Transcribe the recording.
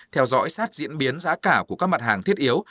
theo dõi sát diễn biến giá cả của các mặt hàng thiết yếu